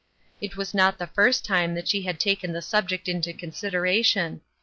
This was not the first time that she had taken the subject into con sideration.